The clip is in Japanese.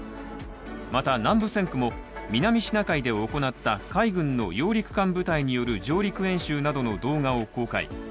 また、南部戦区も南シナ海で行った海軍の揚陸艦部隊による上陸演習などの動画を公開。